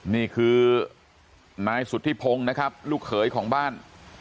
นี่คือนายสุธิพงศ์นะครับลูกเขยของบ้าน